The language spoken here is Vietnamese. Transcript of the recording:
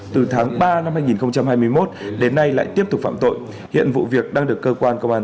từ tháng ba năm hai nghìn hai mươi một đến nay lại tiếp tục phạm tội hiện vụ việc đang được cơ quan công an